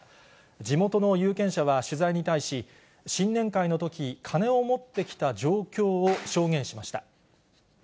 地元の有権者は取材に対し、新年会のとき、金を持ってきた状況を証言しました。